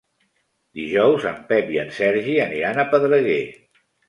Dijous en Pep i en Sergi aniran a Pedreguer.